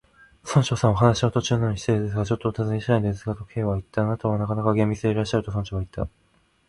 「村長さん、お話の途中なのに失礼ですが、ちょっとおたずねしたいのですが」と、Ｋ はいった。「あなたはなかなか厳密でいらっしゃる」と、村長はいった。